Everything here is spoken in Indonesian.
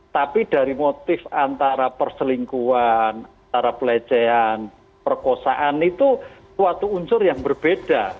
tapi dari motif antara perselingkuhan antara pelecehan perkosaan itu suatu unsur yang berbeda